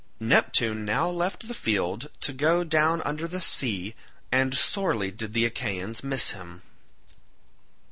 Neptune now left the field to go down under the sea, and sorely did the Achaeans miss him.